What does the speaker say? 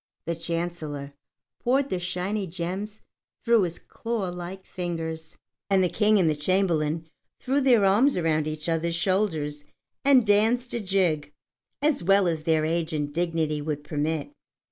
The Chancellor poured the shining gems through his claw like fingers, and the King and the Chamberlain threw their arms around each others' shoulders and danced a jig as well as their age and dignity would permit.